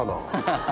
ハハハ！